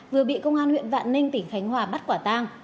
vừa bị công an huyện vạn ninh tỉnh khánh hòa bắt quả tang